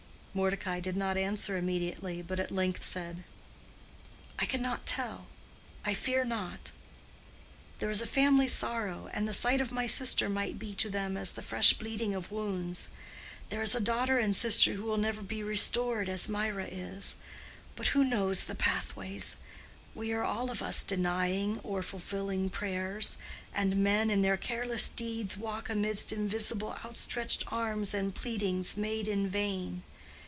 Mordecai did not answer immediately, but at length said, "I cannot tell. I fear not. There is a family sorrow, and the sight of my sister might be to them as the fresh bleeding of wounds. There is a daughter and sister who will never be restored as Mirah is. But who knows the pathways? We are all of us denying or fulfilling prayers—and men in their careless deeds walk amidst invisible outstretched arms and pleadings made in vain.